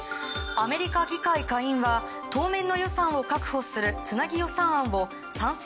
アメリカ議会下院は当面の予算を確保するつなぎ予算案を賛成